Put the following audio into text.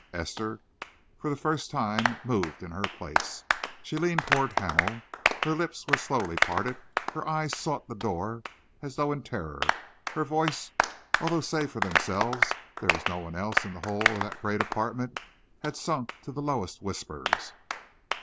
Esther for the first time moved in her place. She leaned towards Hamel. Her lips were slowly parted, her eyes sought the door as though in terror. Her voice, although save for themselves there was no one else in the whole of that great apartment, had sunk to the lowest of whispers.